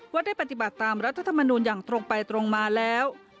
ว่าได้ปฏิบัติตามรัฐธรรมนูลอย่างตรงไปตรงมาแล้ว